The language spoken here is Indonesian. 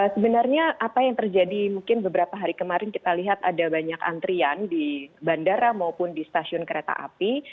sebenarnya apa yang terjadi mungkin beberapa hari kemarin kita lihat ada banyak antrian di bandara maupun di stasiun kereta api